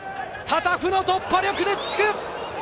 タタフの突破力でつく！